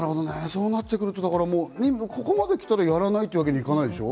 そうなってくると、ここまで来るとやらないってわけにいかないでしょ？